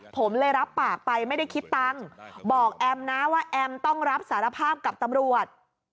ผมเลยรับปากไปไม่ได้คิดตังค์บอกแอมนะว่าแอมต้องรับสารภาพกับตำรวจ